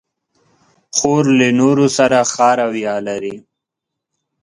خور له نورو سره ښه رویه لري.